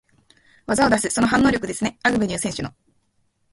技を出す、その反応力ですね、アグベニュー選手の。